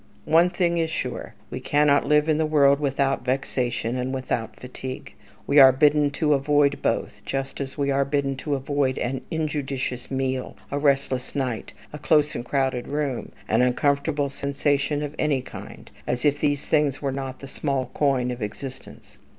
One thing is sure, we cannot live in the world without vexation and without fatigue. We are bidden to avoid both, just as we are bidden to avoid an injudicious meal, a restless night, a close and crowded room, an uncomfortable sensation of any kind, as if these things were not the small coin of existence.